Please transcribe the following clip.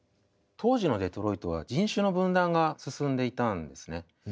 当時のデトロイトは人種の分断が進んでいたんですね。